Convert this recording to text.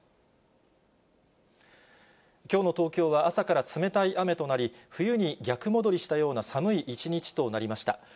きょうの東京は、朝から冷たい雨となり、冬に逆戻りしたような寒い一日となりました。